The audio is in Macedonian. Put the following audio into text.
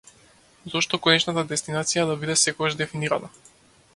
Зошто конечната дестинација да биде секогаш дефинирана?